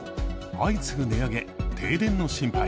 相次ぐ値上げ、停電の心配。